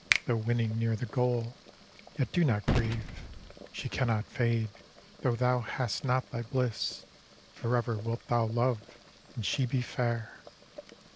Though winning near the goal — yet, do not grieve ; She cannot fade, though thou hast not thy bliss, Forever wilt thou love, and she be fair!